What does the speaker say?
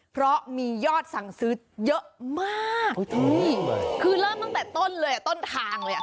เพราะมียอดสั่งซื้อเยอะมากคือเริ่มตั้งแต่ต้นเลยอ่ะต้นทางเลยอ่ะ